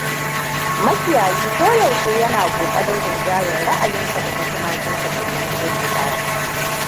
Makiyayi koyaushe yana ƙoƙarin rinjayar raʻayinsa da na tumakinsa su zama iri ɗaya.